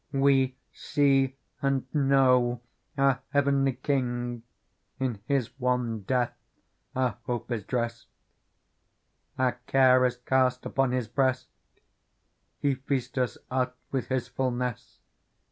We see and know our heavenly King, In His one death our hope is drest : Our care is cast upon His breast. He feasteth us with His fulness.